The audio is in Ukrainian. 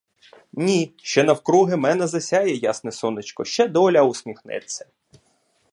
Ні, ще навкруги мене засяє ясне сонечко, ще доля усміхнеться!